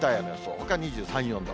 ほか２３、４度。